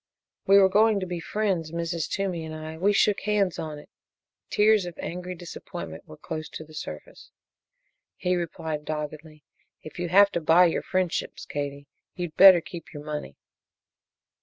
"We were going to be friends Mrs. Toomey and I we shook hands on it!" Tears of angry disappointment were close to the surface. He replied, doggedly: "If you have to buy your friendships, Katie, you'd better keep your money."